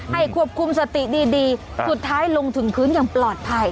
ควบคุมสติดีสุดท้ายลงถึงพื้นอย่างปลอดภัย